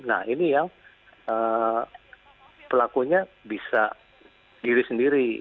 nah ini yang pelakunya bisa diri sendiri